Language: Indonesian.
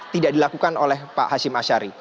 tidak dilakukan oleh pak hashim ashari